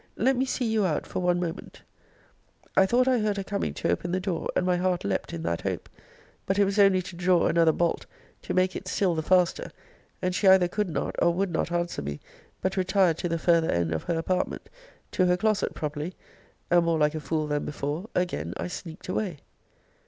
Let me see you out for one moment. I thought I heard her coming to open the door, and my heart leapt in that hope; but it was only to draw another bolt, to make it still the faster; and she either could not or would not answer me, but retired to the farther end of her apartment, to her closet, probably; and, more like a fool than before, again I sneaked away.